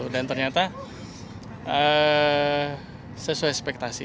dan ternyata sesuai spektasi